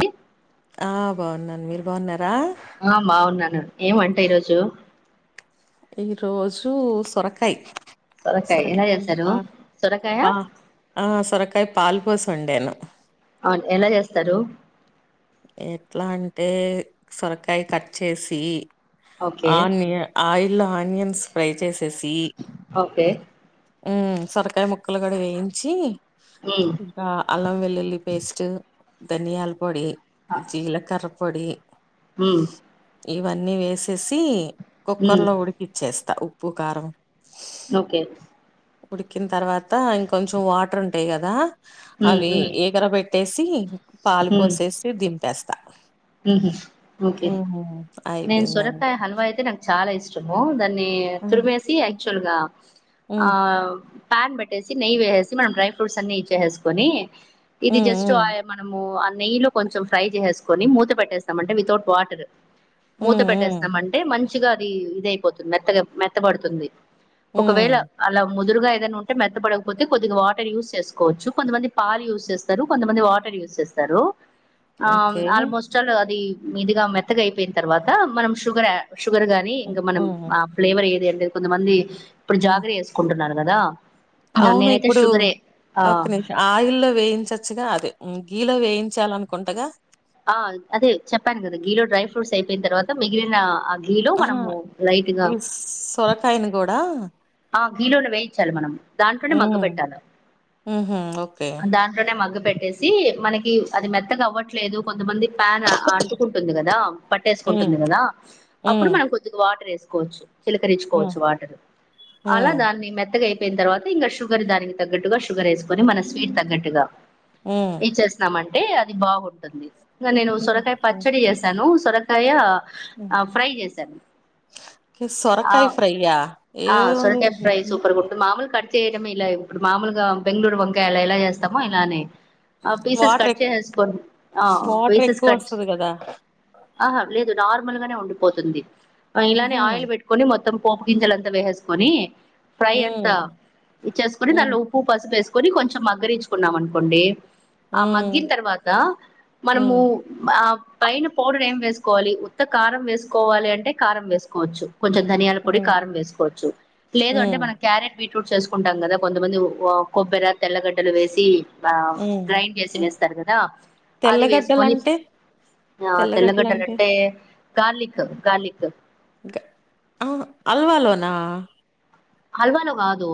ఇ ఆ బాగున్నాను మీరు బాగున్నారు ఆమ అవునును ఏం అంట ఈ రోజు ఈరోజు సొరకాయ సొరకాయ సర ఎలా చేశారు సొరకాయ సరకాయ పాల్ బస్త ఉండేను అవున్ఎలా చేస్తారు ఎట్లా అంటే సొరకాయ కట్ చేసి ఓకే ఆనియన్ ఆయిల్ ఇలా ఆనియన్స్ ఫ్రై చేసి ససి ఓకే ఉ సరకాయ ముక్కలు గడి వేయించి ఉమ్ ఇకా అలహమదల్లి వెల్లి పేస్ట్ ధనియాల్ పొడి జీలకర్ర్ పొడి హ్మ్ ఇవన్నీ వేసేసి కుక్కర్ ఉమ్ లో ఉడికిచ్చేస్తా ప్పు కారం ఓకే ఉడికిన తర్వాత ఇంకొంచెం వాటర్ ఉంటయ్ కదా ఉమ్ అవి ఉమ్ ఎగర పెట్టేసి పాలు పోసేసి దిం తెస్తా మ్మ్ హ్మ్ ఓకే అయిపోయిందంతే చెము దాని ని ఆ! తుర్మేసి యాక్చువల్ గా ఆ హ్మ్ ప్యాన్ బెట్టేసి నెయ్యి వేసేసి మనం డ్రై ఫ్రూట్స్ అన్ని ఇచ్చేేసుకొని ఇది హ్మ్ జస్ట్ హ్మ్ అయ్ మనము అల్ నెయ్యిలో కొంచం ఫ్రై చేసేసుకొని మూ త పెట్టేసామంటే వితౌట్ వాటర్ మూత హ్మ్ హ్మ్ పెట్టేస్తాం అంటే మం చుగా అది ఇదయిపోతుంది మెత్తగా మెత్త బడుతుంది హ్మ్ ఒకవేళ అలా ముదురుగా ఏదైనా ఉంటే మెత్త పడకపోతే కొద్దిగా వాటర్ యూజ్ చేసుకోవచ్చు కొంతమంది పాలు యూజ్ చేస్తారు కొంతమంది వాటర్ యూజ్ చేస్తారు. ఆ ఓకే ఆల్మోస్ అది మీదుగా మెత్తగా అయిపోయిన తర్వాత మనం షుగర్ యే షుగర్ గాని హ్మ్ ఇంగ మనం హ్మ్ ఆ ఫ్లేవర్ ఏదెల్ టే కొంతమంది ఇప్పుడు హ్మ్. జాగ్ర వేసుకుంటున్నారు గదా అవును ఇప్పుడు ఒక్క నిమిషం ఆయిల్లో వేయించచ్చుగా అదే గీలో వేయించాలనుకుంటగా ఆ అదే చెప్పాను కదా గీలో డ్రై ఫ్రూట్స్ అయిపోయిన తర్వాత మిగిలిన గీలో ఆహ మనము లైట్ గా ఈ సొరకాయని గూడా ఆ గీలోనే వేయించాలి మనం దాంట్లోనే హ్మ్. మగ్గబెట్టాల హుహు. ఓకే. పెట్టేసీ మనకి అది మెత్తగా అవ్వట్లేదు కొంతమంది ప్యాన్ అంటుకుంటుంది గదా హ్మ్. పట్టేసుకుంటుంది గదా, హ్మ్. అప్పుడు మనం కొద్దిగా వాటర్ ఏసు కోచ్చు హ్మ్. చిలకరించుకోవచ్చు వాటరు. అలా హ్మ్. దాన్ని మెత్ త్తగా అయి పోయిన్ తర్వాత ఇంగా షుగర్ దానికి తగ్గట్టుగా షుగర్ ఏసుకొని మన స్వీట్ తగ్గట్టుగా. హ్మ్. ఇద్ చేస్తున్నామండ్ టే అది బాగుంటుంది. ఇంగ నేనూ సొరకాయ్ పచ్చడి చేసానూ. సొరకాయా ఆ సొరకాయ్ ఫ్రయ్యా. ఆ సొరకాయ్ ఫ్రై సూపర్ గుంటుది మా మామూలు కట్ చేయడంమే ఇలాయ్ ఇప్పుడు మామూలుగా బెంగళూరు వంకాయలెలా చేస్తామో ఇలానే. ఆ పీసస్ వాటర్ ఎ కట్ చేసేస్కోన్ ఆ వాటర్ పీసస్ ఎక్కువ కట్ వస్తది కదా ఆహా లేదు నార్మల్ గానే ఉండిపోతుంది. ఇలానే ఉహు ఆయిల్ పెట్టుకోని మొత్తం. పోపుగింజలంత వేసేస్ కొనీ ఫ్రై అంతా ఉమ్ ఇచ్చేస్ కొనీ ఉమ్ దాన్లో ఉప్పు పసుపు ఏస్ కొని కొంచెం మగ్గరిచుకున్నాం అనుకోండీ. ఆ ఉమ్ మగ్గిన్ తర్వాతా మనమూ ఉమ్ ఆ పైన పౌడర్ ఏం వేసుకోవాలి, ఉత్త కారం వేసుకోవాలే అంటే కారం వేసుకోవచ్చు. కొంచెం ధనియాల పొడి ఉమ్ కారం వేసుకోవచ్చు. లేదు అంటే ఉమ్ మన క్యారెట్. బీట్రూట్స్ ఏసుకుంటాం గదా కొంతమంది ఓ కొబ్బెర తెల్లగడ్డలు వేసీ ఆ ఉమ్ గ్రైండ్ చేసి ఉమ్. వేస్తారు గదా, అది వేసుకొని. తెల్లగడ్డలంటే ఆ తెల్లగడ్డలు తెల్లగడ్డలంటే అంటే గార్లిక్ గార్లిక్ గ ఆ అల్వాలోనా హల్వా లో గాదు.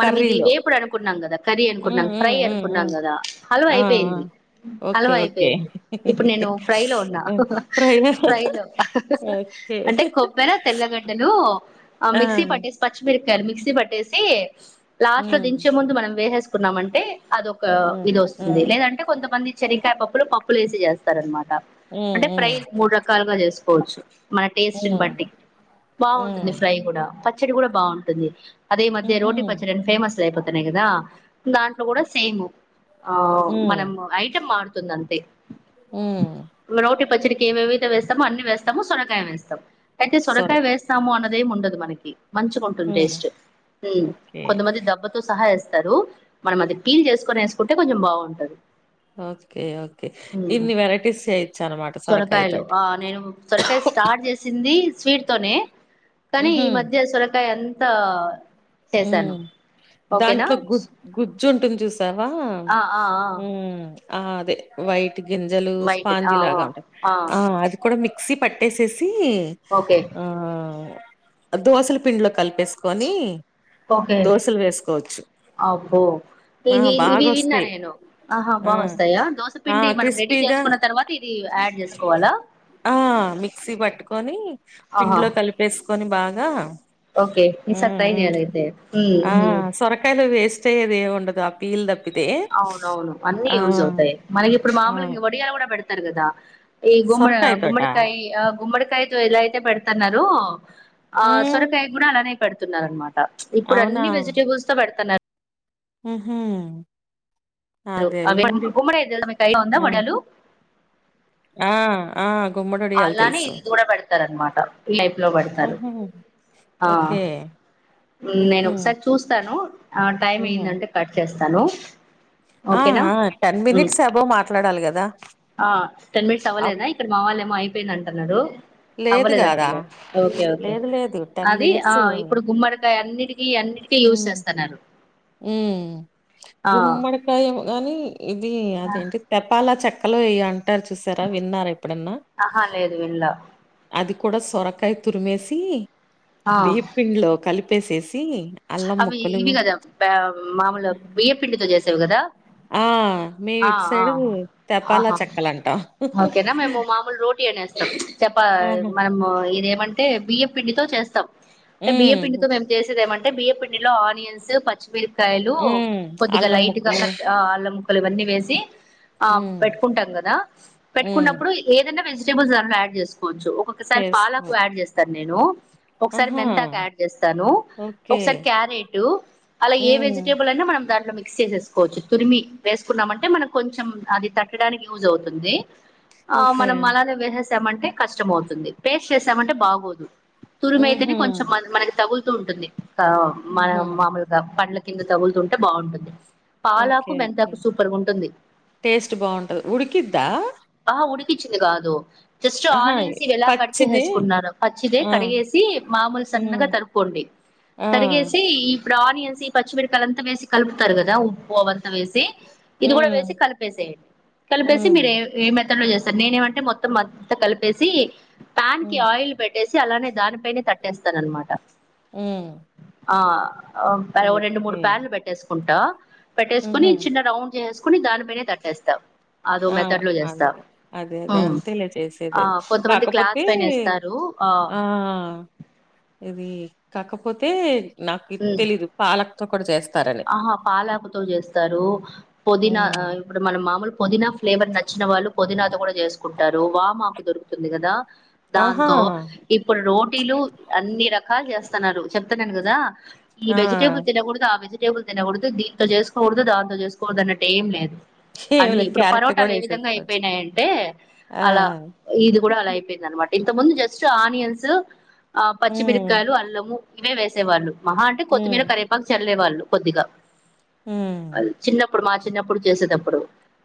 మనం ఇది కర్రీలో వేపుడు అనుకున్నాం గద కర్రీ అనుకున్నాం ఉమ్ ఉమ్ ఫ్రై ఉమ్ అనుకున్నాం ఉమ్ గదా హల్వా ఆ ఆ అయిపోయింది ఓకే హల్వా ఓకే అయిపోయింది ఇప్పుడు నేను ఫ్రైలో ఉన్నా ఉమ్. ఫ్రై ఫ్రైలో. ఓకే అంటే కొబ్బర, తెల్లగడ్డలూ ఆ మిక్సీ పట్టేసి పచ్ మిరపకాయలు మిక్సీ పట్టేసీ. లాస్ట్ లో ఉమ్ దించే ముందు మనం వేసేస్ కున్నామంటే. అదొక ఉమ్ ఇది ఉమ్ వోస్తుంది. లేదంటే కొంతమంది శనిక్కాయ పప్పులు పప్పుల ఏసి చేస్తారూ అన్నమాట ట ఉమ్ అంటే ఉమ్ ఫ్రై మూడు రకాలుగా చేసుకోవచ్చు. మన టేస్ట్ని హ్మ్. బట్టి బాగుంటుంది హ్మ్. ఫ్రై కూడా చదువుదాం బాగుంటుంది అదే ఈ మధ్య హుహు. రోటీ పచ్చడి ఫేమస్ కైపోతున్నాయి గాదా దాంట్లో కూడా సేమ్ ఆవున్ మనం ఐటమ్ మార్త్ ఉంటుంది. అంతే ఉ రోటి పచ్చడికి ఏమేమి వేస్తాము. అన్ని వేస్తా మనము సోరకాయ వేస్తాము. అయితే సోరకయ సొరకాయ. వేస్తాము అన్న అదెం ఉండదు మనకి మంచిగా ఉంటుంది. హ్మ్. టేస్ట్ ఊ ఓకే. కొంతమంది డబ్బతో సహా ఏస్తా స్తరు. మనం అది పీలు చేసుకొని వేసుకుంటే కొంచెం బాగుంటది. ఓకే ఓకే ఉమ్ ఇన్ని వెరైటీస్ చేయొచ్చు. అన్నమాట సోరకాయ సొరకాయలు తోటి ఆ నేను సొరకాయ స్టార్ట్ చేసింది స్వీట్ తోనే కానీ ఈ ఊహూ మధ్య సొరకాయ అంతా ఉ చేశాను ఓకేనా దాంట్లో గు గు చుటుంది. చూసు త్తవా ఆ ఆ ఆ హ్ ఆ అదే వైట్ గింజలు వైట్ ఆ స్పాంజి ఆ లాగా ఉంటాయి. ఆ అది కూడా మిక్ మిక్సీపట్టేసేసి ఓకే అది ఆ దోశలు పిండ్లో కలిపేసుకొని ఓకే దోశలు వేసుకోవచ్చు. అబ్బో ఆ ఇవి బాగా ఇవి విన్నా వోస్తాయి. నేను ఆహా బాగా వస్తాయా ఆ దోసపిండి మనం రెడీ క్రిస్పీగా చేసుకున్న తర్వాత ఇది యాడ్ చేసుకోవాలా ఆ మిక్సీ పట్టుకొని ఆహా పిండ్లో కలిపేసుకొని బాగా [unintelligible] ఓకే ని సత్తా హ్మ్ ఎం హ్మ్ జెయాలో చెప్పు ఆ సొరకాయలు వేసి సేవి ఏమి ఉండదు. అ పీల్ద అవునవును. అన్నీ యుస్ అవుతాయి. మనకి ఇప్పుడు ఆ మామూలు వడియాలు కూడా పెడుత తరుగదా ఈ గుమడి సొరకాయ తోట గుమ్మడికాయీ అ గుమడ తై తో ఇల అయితే పెడుతన్నారు ఆ హ్మ్ సొరకాయ కూడా అలనే పెడుతున్నార అనమాట ప్చ్ ఇప్పుడు అన్ని వెజిటేబుల్స్ తో పెడుతున్నారు హు హు అవి గుమ్మడికై తెలుసా ఐడియా ఉందా హ్మ్ వడియాలు ఆ ఆ గుమ్మడొడియాలు అలానే తెలుసు ఇది కూడా పెడతారు అనమాట లైఫ్ లో పెడతారు ఉహూ ఆ ఓకే నేను ఉహూ ఒకసారి చూస్తాను ఆ టైమ్ హ్మ్ ఏందంటే ఖర్చ చేస్తాను ఆ ఓకేనా ఆ టెన్ హ్మ్ మినిట్స్ అబోవ్ మాట్లాడాలి కదా ఆ టెన్ మినిట్స్ అప్ అవ్వలేదా ఇక్కడ మా వాళ్ళ ఏమో అయిపోయింద కన్నలు లేదు కాదా అవ్వలేదంటలే ఓకే ఓకే లేదు లేదు టెన్ అది ఆ మినిట్స్ ఇప్పుడు గుమ్మడి అన్నిటికి అన్నిటికి యూజ్ హ్మ్ చేస్తున్నారు హ్మ్ గుమ్మడికాయేమో గాని ఇది అదేంటి తెపాలా చక్క హలో ఏయ్యం అది చూసారా విన్నారా ఎప్పుడన్నా ఆహా లేదు విన్లా అది కూడా సొరకాయ తురుమేసి ఆ బియ్య పిండిలో కలిపి పెసేసి ఈ అల్లం అవి ముక్కలు ఇవి కదా బ మామూలుగా బియ్య పండితో చేసేవి కదా ఆ మేము ఆ ఇటు ఆ సైడు తెపాలా ఆహా చెక్కలంటాం ఓకేనా మేము మామూలు రోటీ అనేస్తాం చెప్ప ఆహా మనము ఇదేం అంట అంటే బియ్య పిండితో చేస్తాం అంటే బియ్య హ్మ్ పిండితో మేం చేసేదేమంట బియ్యపిండిలో ఆనియన్స్ పచ్చిమిరిపు కాయలు హ్మ్ కొద్దిగా అల్లం లైట్ గా క ముక్కలు అల్లమ్ లు ఇవన్నీ వేసి ఆ హ్మ్ పెట్టుకుంటాం కదా హ్మ్ పెట్టుకున్నప్పుడు ఏదన్నా వెజ్ [unintelligible] కొంచెం ఒక్కొక్కసారి చేస్ పాలకు యాడ్ చేస్తారు నేనూ ఓక్ సారి ఆహా! మెంథాక్ యాడ్ చేస్తాను ఓకే. ఒకసారి క్యారెటు అలా ఏ హ్మ్. వెజిటేబుల్ అయినా మనం దాని ల మిక్స్ చేసేసుకోవచ్చు తురిమి వేసుకున్నామంటే మనం కొంచెం అది తట్టడానికి యూజ్ అవుతుంది ఆ ఓకే. మనం అలానే వేసెస్ తెమ్మంటే కష్టం అవుతుంది పేస్ట్ చేస్తామంటే బాగోదు తురుమ్ అయితేనే హుహు. కొంచెం మన మనకి తగుల్ తో ఉంటుంది అవును మన హుహు. మాములుగా పండ్లు కింద తగులుతుంటే బాగుంటుంది పాలాకు ఓకే ఉ మెంతాకు సూపర్ గా ఉంటుంది టేస్ట్ బాగుంటది ఉడికిద్దా ఇచ్చింది కాదు జస్ట్ ఆహా! ఆనియన్స్ ఎలా కడ్ పచ్చిది చేసేసుకున్నారో పచ్చిది ఆ! కడిగేసి మమూలు సన్నగా హ్మ్. తరుపుకోండి ఆ! తరిగేసి ఇ ఇప్పుడు ఆనియన్స్ ఈ పచ్చిమిరపకాయలు అంతా వేసి కలుపుతారు కదా ఉప్పు అంతా వేసి ఇది కూడా హ్మ్. వేసి కలిపేసేయండి కలిపేసి హ్మ్. మీరు ఏ ఏ మెథడ్ లో చేస్తారు నేనేమంటే మొత్ మత్ కలిపేసి పాన్ కి హ్మ్. ఆయిల్ బెట్టేసి చీ అలానే దానిపైనే తట్టేస్తానమాట ఉ ఆ అబ్ రెండు మూడు ప్యాట్లు పెట్టేసుకుంటా పెట్టేసుకొని హుహు. చిన్న రౌండ్ చేసు కొన్ని దానిపైనే తట్టేస్తాం ఆ అంత్ అదే ది ఉమ్. అంతే ఇలా చేసేది ఆ అది కొంతమంది క్లాత్ కాకపోతే పైన వేస్తారు ఆ ఇది కాకపోతే నాకి ఉమ్ తెలిదు పాలక్ కు కుడ్ చేస్ ఆహా పాలాకుతో చేస్తారు పుదీనా అ హ్మ్. ఇప్పుడు మనం మామూలు పుదినా ఫ్లేవర్ నచ్చిన వాళ్ళు పుదీనాతో కూడా చేసుకుంటారు వామాకు దొరుకుతుంది కదా ఆహా! దాంతో ఇప్పుడు రోటీలు అన్ని రకాలు చేస్త ఎస్ అన్నారు చెప్తానన్నాను కదా ఈ ఆ! వెజిటేబుల్ తినకూడదు అ వేజ్ టేబుల్ తినకూడదు దీనింతో చేసుకోకూడదు దాంతో చేసుకూడదు అన్నట్టు ఏం లేదు అన్ని కేవలం ఇప్పుడు క్యారెట్ కూడా పరోటాలు ఏ విధంగా వేసేసుకోవచ్చు అయిపోయినాయంటే ఆ అలా ఇది కూడా అలా అయిపోయింద అనమాట ఇంత ముందు జస్ట్ ఆనియన్స్ ఆ హ్మ్ పచ్చిమిరకాయలు అల్లము ఇవే వేసేవాళ్ళు మహా అంట కొత్తిమీర హ్మ్ కరపపాకుల్లేవాళ్ళు కొద్దిగా హ్మ్ అది చిన్న అప్పుడు మా చిన్నప్పుడు చేసేటప్పుడు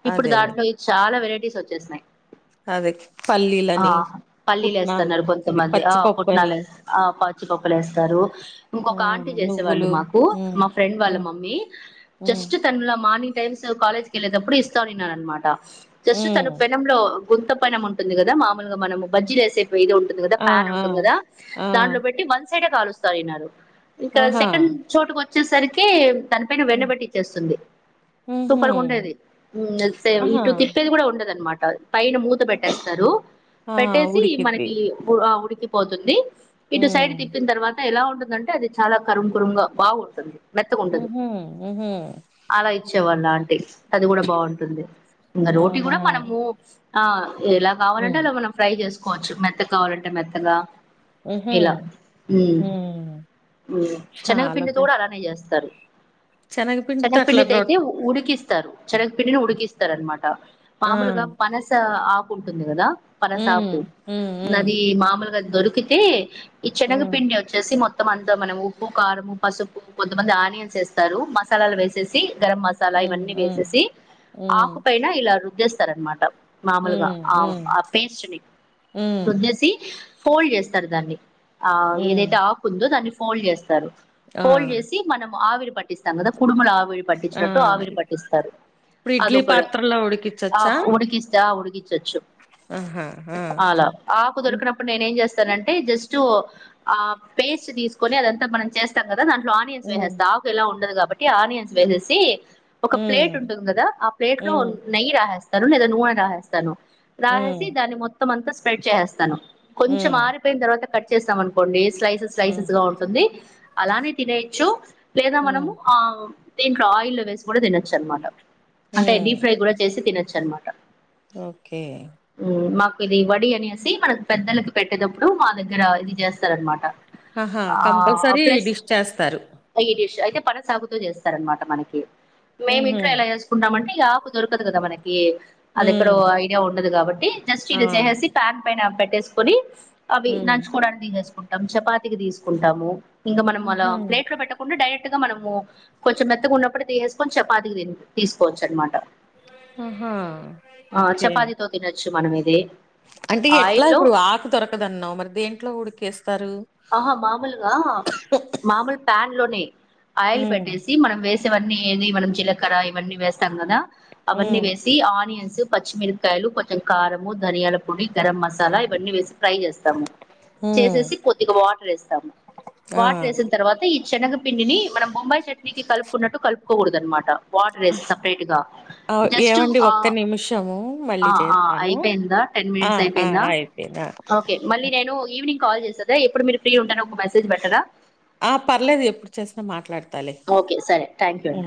ఇప్పుడు దాంట్లోది చాలా వెరై స వచ్చేస్న్నాయి అద పల్లీలని పల్లీలు పుట్నాలు వేస్తున్నారు ఇవి పచ్చిపప్పు అని పచ్చిపప్పులే వేస్తారు ఇంకొక హ్మ్ ఆంటీ చేసేవాళ్ళు నువ్వులు మాకు హ్మ్ మా వాళ్ళ హ్మ్ మమ్మి హ్మ్ జస్ట్ తనల మార్నింగ్ టైమ్స్ కాలేజ్ క వెళ్ళటప్పుడు ఇస్తాను నన అనమాట జస్ట్ హ్మ్ తను పెనంలో గుంత పన ఉంటుంది కదా మామూలుగా మనము బజ్జీ వసే ద ఉంటుంది కదా ఆ ఫ్యాన్ ఆ ఉంటుంది కదా ఆ దాంట్లో బట్టి వన్స్ సట కాలుస్తారున్నారు ఇంకా ఆహా! సెకండ్ చోటుకిచ్చ వచ్చేసరికి దని పైన హ్మ్ వెన్నబెట్టి ఇచ్చేస్తుంది హుహు. సూపర్గా ఉండేది ఆహా! ఇటు తిప్పేది కూడా ఉండది అనమాట పైన మూత పెట్టేస్తారు ఆ! పెట్టేసి ఉడికిద్ది. మనకి ఆ ఉడికి పోతుంది ఇటు హ్మ్. సైడ్ తిప్పిన్ తర్వాత ఎలా ఉం ఉంటుందంటే అది చాలా కరుం కురుంగా బాగుంది సరి మెత్తగుండదు హుహు. హుహు. అలా ఇచ్చేవాళ్ళ ఆంటీ అది కూడా బావుంటుంది ఇంగ రోటీ గుడ అవునా! మనము ఆ ఎలా కావాలంటే హ్మ్. మనం ఫ్రై చేసు కోవచ్చు మెత్తాగ్ కావాలంటే మెత్తగా హుహు. ఇలా ఉమ్ హ్మ్. ఉమ్ చెన్నగ చాలా పిండితో పె కూడా అలా ఇస్తరు శనగపిండితో చనగ అట్లా పిండితైతే రొట్ ఉ ఉడికిస్త్ ఇస్తారు చానగపిండిని ఉడికిస్తారనమాట ఆ! మాములుగ పనస ఆక్ ఉంటుంది గదా హ్మ్ పనసాపు హ్మ్ హ్మ్. నదీ మామూలుగ దొరుకితే ఈ చెనగ హ్మ్. పిండి ఒచ్చేసి మొత్ మొత్తమ్మంత మనము ఉప్పు కారంము పసుపు కొంతమంది ఆనియన్స్ ఎస్తారు మసాలాలు వేసేసీ గరం మసాలా హ్మ్. ఇవన్నీ హ్మ్. వేసేసి ఆకు హ్మ్. పైన ఇలా రుద్ గేస్తారనమాట మాముల్గా హ్మ్. ఆ హ్మ్. ఆ పేస్ట్ ని హ్మ్. రుద్దేసి ఫోల్డ్ చేస్తార్ దాన్ని ఆహ్ హ్మ్. ఏదైతె ఆక్ ఉందో దాన్ని ఫోల్డ్ చేస్తారు ఆ ఫోల్డ్ చేసి మనం ఆవిర్ పట్టిస్తాం కదా కుడుమల ఆవిర్ ఆ! పట్టించినట్టు ఆవిరి పట్టిస్తారు ఇప్పుడు ఇడ్లీ అదిొ పాత్రలో ఆ ఉడికిచ్చొచ్చా? ఉడికిస్తే ఆ ఉడి చొచ్చు ఆహా! ఆ! అలా ఆకు హ్మ్. దొరికినప్పుడు నేనేం చేస్తా స్టారంటే జస్టు ఆ పేస్ట్ తీస్కొని అదంతా మనంచేస్తాం గదా దాంట్లో అని హ్మ్. వేసేస్తాంతాక్ ఎలా ఉండదు కా బట్టి ఆనియన్స్ వేసేసి ఒక ప్లేట్ హ్మ్. ఉంటుంది కదా ఆ ప్లేట్ లో హ్మ్. నెయి రాేస్త తను లేద నువ్వు అయిన రాహేస్తాను హ్మ్. రాసి దాన్ని మొత్ మొత్తమంత స్ప్రెడ్ చేసేస్తాను కొంచెం హ్మ్. ఆరిపోయిన తర్వాత కట్ చేసాం అనుకోండి స్లైసెస్ హ్మ్. స్లైసెస్ గా ఉంటుంది అలానే తినేయ్యొచ్చు లేదా హ్మ్. మనము ఆ దింట్లో ఆయిల్ వేసి కూడా తినచ్చు అన్ మాట అంటే హ్మ్. డీ ఫ్రై కూడా చేసి తినచ్ చ్చనమాట ఓకే ఇది వడి అనేసి మనకు పెద్దలకు పెట్టేటప్పుడు మా దగ్గర ఇది చేస్తారన్న మాట ఆహా కంపల్సరీ డిష్ చేస్తారు ష్ అయితే పనసాకు తో చేస్తారనమాట మనకి హుహు. మేమింట్లో ఎలా చేసుకుంటామంటే ఈ ఆకు దొరకదు కదా మనకి అది ఎక్కడో హ్మ్. ఐడియా ఉ ఉన్నది కాబట్టి జస్ట్ ఆ! ఇలా చేసేసి ప్యాక్ పైన పెట్టేసుకుని అవి హ్మ్. నంచుకోడానికి తీసేసుకుంటా టం చపాతికి తీసుకుంటాము ఇంకా మనం మల ఆహా! ప్లేట్లో పెట్ట డైరెక్ట్ గా మనము కొంచెం మెత్తగా ఉన్నప్పుడు తీసేసుకొని చపాతికి తీసుకోవచ్చు అనమాట ఆహా ఓకే చ్చు మనం ఇది అంటే ఎట్లా ఆయిల్లో ఇప్పుడు ఆకు దొరకదన్నావు మరి దేంట్లో ఉడికేస్తారు ఆహా మామూలుగా మామూలు ప్యాన్ లోనే ఆయిల్ హ్మ్ పెట్టేసి మనం వేసి ఇవన్నీ ఏది మనం జీలకర్ర ఇవన్నీ వేస్తాం కదా అవన్నీ హ్మ్ వేసి ఆనియన్ పచ్చిమిరకాయలు కొంచెం కారము ధనియాల పొడి గరం మసాలా ఇవన్నీ వేసి ఫ్రై చేస్తాము హ్మ్. చేసేసి కొద్ది గ వాటర్ వేస్తాము ఆ! వాటర్ వేసిన తర్వాత చెనగ పిండి ని మనం బొబై చట్ కలుకున్నట్టు క పకూడద అన్న మాట వాటర్ వేయి సపరేట్ గా ఆహ్, ఏవండి ఒక్క నిమిషము మళ్ళీ చేస్తాను. అయిపోయిందా టెన్ ఆ! మినిట్స్ ఆ! అయిపోయిందా అయిపోయింది. ఆ! ఓకే మళ్ళ నేను ఈనింగ్ కాల్ చేాారు ద ఎప్పుడు మీరు ఫ్రీ ఉంటారో ఒక మెసేజ్ పెట్టరా ఆ పర్లేదు ఎప్పుడు చేసినా మాట్లాడతాలే ఓకే సరే థ్యాంక్ యూ అండి